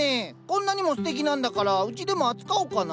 こんなにもすてきなんだからうちでも扱おうかな。